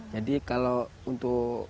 jadi kalau untuk